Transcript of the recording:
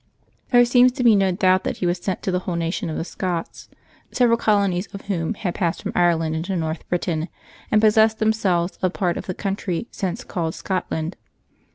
There seems to be no doubt that he was sent to the whole nation of the Scots, several colonies of whom had passed from Ireland into North Britain, and possessed themselves of part of the country since called Scotland.